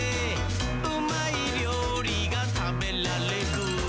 「うまいりょうりがたべらレグ！」